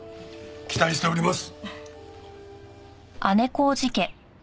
期待しております。